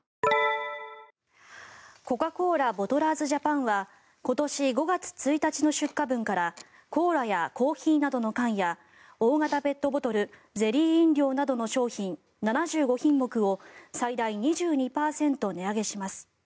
コカ・コーラボトラーズジャパンは今年５月１日の出荷分からコーラやコーヒーなどの缶や大型ペットボトルゼリー飲料などの商品７５品目を最大２２％値上げします。